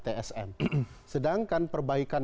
tsm sedangkan perbaikan